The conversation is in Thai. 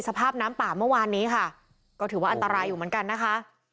สภาพน้ำป่าเมื่อวานนี้ค่ะก็ถือว่าอันตรายอยู่เหมือนกันนะคะ